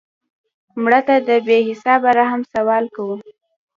مړه ته د بې حسابه رحم سوال کوو